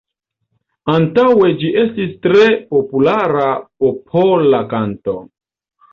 Antaŭe ĝi estis tre populara popola kanto.